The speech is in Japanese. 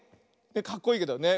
かっこいいけど。ね。